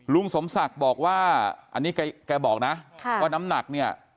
ลุงสมศักดิ์บอกว่าอันนี้แกบอกนะว่าน้ำหนักเนี่ย